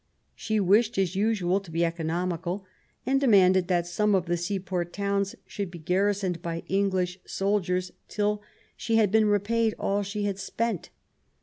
She wished, as usual, to be economical, and demanded that some of the seaport towns should be garrisoned by English soldiers till she had been repaid all that she had spent.